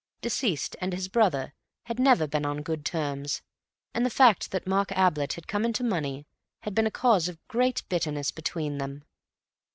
Deceased and his brother had never been on good terms, and the fact that Mark Ablett had come into money had been a cause of great bitterness between them.